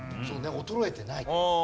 そうね衰えてない。